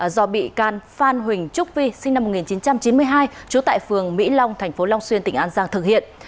do bị can phan huỳnh trúc vi sinh năm một nghìn chín trăm chín mươi hai trú tại phường mỹ long thành phố long xuyên tỉnh an giang thực hiện